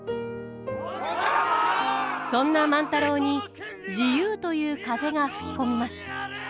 そんな万太郎に自由という風が吹き込みます。